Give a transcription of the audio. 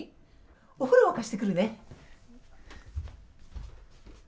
お風呂、沸かしてくるね。